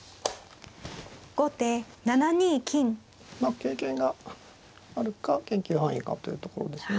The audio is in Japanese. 経験があるか研究範囲かというところですね。